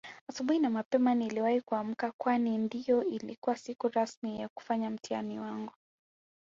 Asubuhi na mapema niliwahi kuamka Kwani ndio ilikuwa siku rasmi ya kufanya mtihani wangu